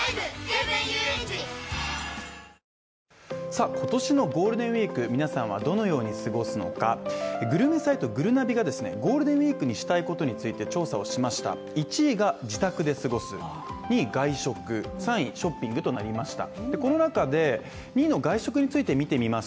さあ今年のゴールデンウイーク皆さんはどのように過ごすのかグルメサイトぐるなびがですね、ゴールデンウイークにしたいことについて調査をしました、１位が自宅で過ごす２位、外食３位、ショッピングとなりました。